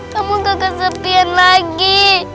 kamu gak kesepian lagi